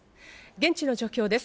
現地の状況です。